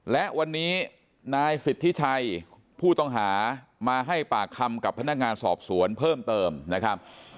และวันนี้นายสิทธิชัยผู้ต้องหามาให้ปากคำกับพนักงานสอบสวนเพิ่มเติมนะครับ